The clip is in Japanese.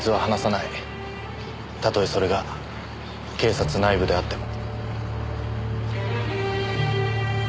たとえそれが警察内部であっても。